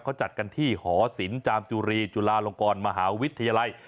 เขาจัดกันที่หอศิลป์จามจุรีจุฬาลงกรมหาวิทยาลัย